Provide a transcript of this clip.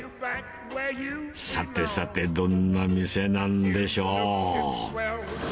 さてさて、どんな店なんでしょう。